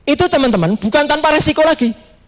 itu teman teman bukan tanpa resiko lagi